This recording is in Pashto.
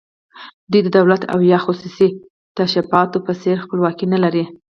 دوی د دولت او یا خصوصي تشبثاتو په څېر خپلواکي نه لري.